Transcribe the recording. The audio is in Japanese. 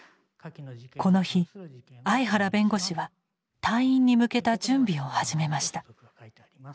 この日相原弁護士は退院に向けた準備を始めました。